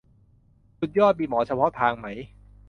สุดยอด มีหมอเฉพาะทางไหม ?